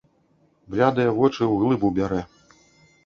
Блядыя вочы ўглыб убярэ.